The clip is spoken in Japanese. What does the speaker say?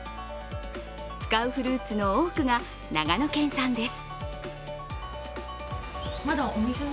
使うフルーツの多くが長野県産です。